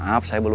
dan setiap hari